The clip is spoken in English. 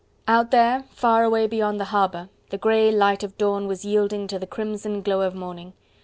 Out there, far away, beyond the harbour, the grey light of dawn was yielding to the crimson glow of morning.